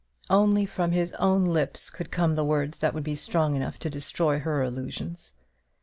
Only from his own lips could come the words that would be strong enough to destroy her illusions.